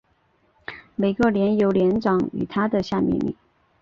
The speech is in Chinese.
每个连由连长与他的下命令。